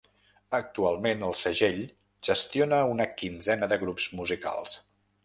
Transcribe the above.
Actualment, el segell gestiona una quinzena de grups musicals.